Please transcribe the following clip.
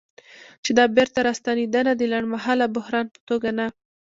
چې دا بیرته راستنېدنه د لنډمهاله بحران په توګه نه